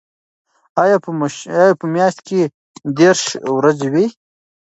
آیا په میاشت کې دېرش ورځې وي؟